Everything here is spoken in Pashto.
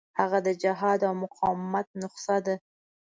هغه د جهاد او مقاومت نسخه ده.